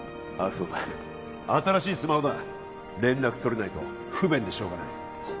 そうだ新しいスマホだ連絡取れないと不便でしょうがない